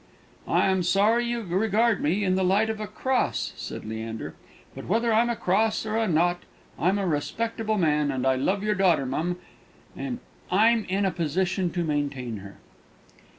"I'm sorry you regard me in the light of a cross," said Leander; "but, whether I'm a cross or a naught, I'm a respectable man, and I love your daughter, mum, and I'm in a position to maintain her."